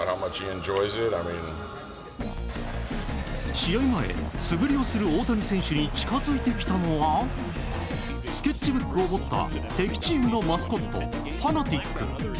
試合前、素振りをする大谷選手に近づいてきたのはスケッチブックを持った敵チームのマスコットファナティック。